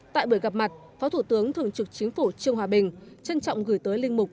tại buổi gặp mặt phó thủ tướng thường trực chính phủ trương hòa bình trân trọng gửi tới linh mục